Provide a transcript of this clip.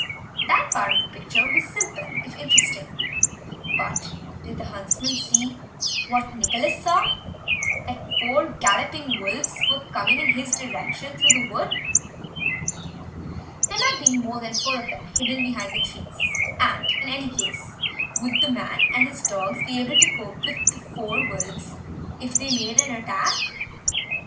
That part of the picture was simple, if interesting, but did the huntsman see, what Nicholas saw, that four galloping wolves were coming in his direction through the wood? There might be more than four of them hidden behind the trees, and in any case would the man and his dogs be able to cope with the four wolves if they made an attack?